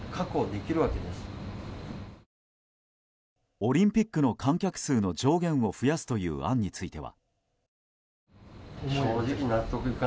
オリンピックの観客数の上限を増やすという案については。